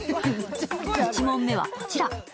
１問目はこちら。